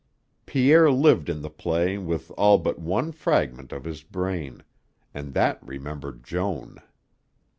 Pierre lived in the play with all but one fragment of his brain, and that remembered Joan.